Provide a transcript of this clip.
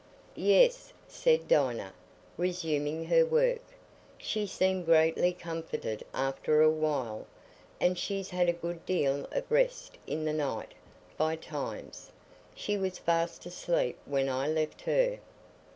"Yes," said Dinah, resuming her work, "she seemed greatly comforted after a while, and she's had a good deal of rest in the night, by times. She was fast asleep when I left her."